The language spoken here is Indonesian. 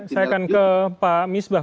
saya akan ke pak misbah